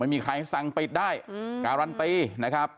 ไม่มีใครสั่งปิดได้การันตีนะครับ